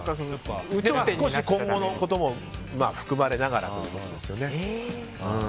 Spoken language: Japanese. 今後のことも含まれながらということですね。